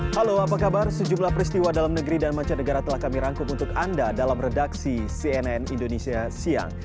halo apa kabar sejumlah peristiwa dalam negeri dan mancanegara telah kami rangkum untuk anda dalam redaksi cnn indonesia siang